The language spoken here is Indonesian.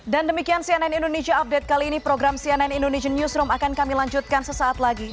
demikian cnn indonesia update kali ini program cnn indonesian newsroom akan kami lanjutkan sesaat lagi